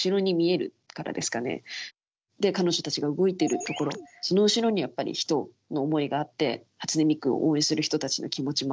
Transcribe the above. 彼女たちが動いてるところその後ろにはやっぱり人の思いがあって初音ミクを応援する人たちの気持ちもあってっていう。